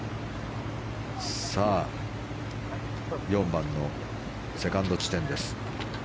４番のセカンド地点です。